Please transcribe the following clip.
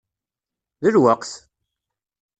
D lweqt!